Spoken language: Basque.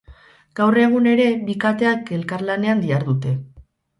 Gaur egun ere bi kateak elkarlanean dihardute.